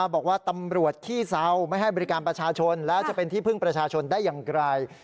บอกว่าตำรวจขี้เซาไม่ให้บริการประชาชนแล้วจะเป็นที่พึ่งประชาชนได้อย่างไร